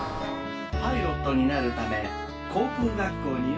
パイロットになるため航空学校入学を。